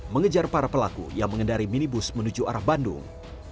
mengejar para pelaku yang mengendari minibus menuju arah bandung